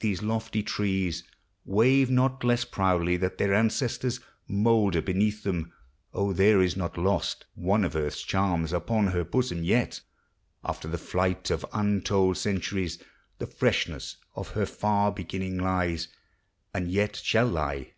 These lofty trees Wave not less proudly that their ancestors Moulder beneath them. O, there is not lost One of Earth's charms ! upon her bosom yet, • After the flight of untold centuries, The freshness of her far beginning lies, And yet shall lie.